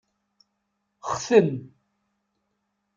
Xten.